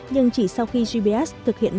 nhưng chỉ sau khi gbs thực hiện